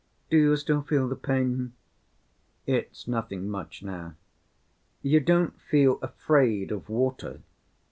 Do you still feel the pain?" "It's nothing much now." "You don't feel afraid of water?"